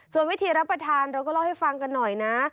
ส่วนวิธีรับประทานเราก็เล่าให้ฟังกันหน่อยนะ